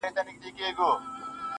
اوس چي د مځكي كرې اور اخيستـــــى~